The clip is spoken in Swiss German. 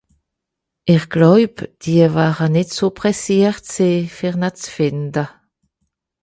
Ìch gläub, die wäre nìtt so presseert sìn, fer ne ze fìnde.